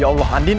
ya allah andin